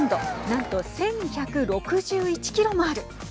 なんと１１６１キロもある。